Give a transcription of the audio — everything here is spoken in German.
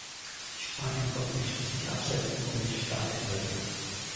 Die Spanier konnten sich schließlich absetzen, womit die Schlacht endete.